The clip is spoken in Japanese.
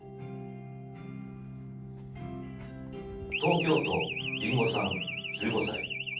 東京都りんごさん１５歳。